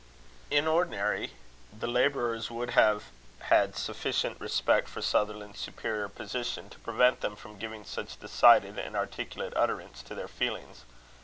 In ordinary, the labourers would have had sufficient respect for Sutherland's superior position, to prevent them from giving such decided and articulate utterance to their feelings.